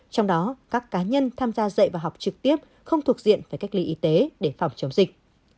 trong đó các cá nhân tham gia dạy và học trực tiếp không thuộc diện phải cách ly y tế để phòng chống dịch